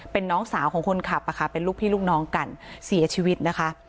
เป็นน้องสาวของคนขับเป็นลูกพี่ลูกน้องกันเสียชีวิตนะคะ